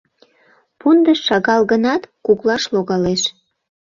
Пундыш шагал гынат, куклаш логалеш.